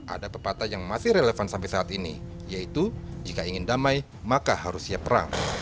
ada pepatah yang masih relevan sampai saat ini yaitu jika ingin damai maka harus siap perang